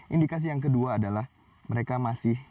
indikasi yang kedua adalah mereka masih